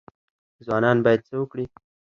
ځوانان باید څه وکړي؟